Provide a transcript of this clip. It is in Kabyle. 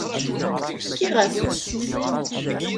Fkiɣ-as-tt.